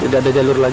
tidak ada jalur lagi